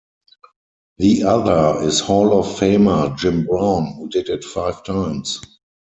The other is Hall of Famer Jim Brown, who did it five times.